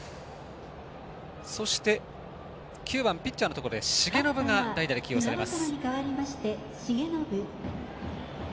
そして９番ピッチャーのところで重信が代打で起用されます。